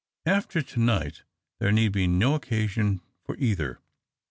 After to night there need be no occasion for either.